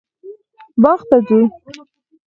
باغ ته ځو